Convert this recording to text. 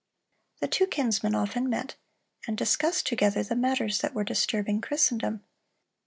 The two kinsmen often met, and discussed together the matters that were disturbing Christendom.